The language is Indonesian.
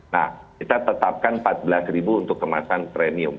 nah kita tetapkan rp empat belas untuk kemasan premium